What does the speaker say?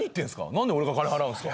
何で俺が金払うんすか？